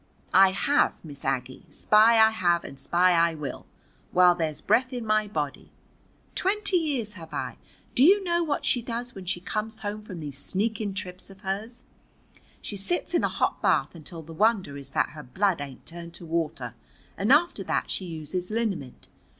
"I have, Miss Aggie. Spy I have and spy I will, while there's breath in my body. Twenty years have I Do you know what she does when she come home from these sneakin' trips of hers? She sits in a hot bath until the wonder is that her blood ain't turned to water. And after that she uses liniment.